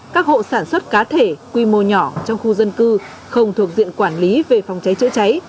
các hộ sản xuất cá thể quy mô nhỏ trong khu dân cư không thuộc diện quản lý về phòng cháy chữa cháy